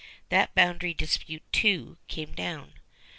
That boundary dispute, too, came down.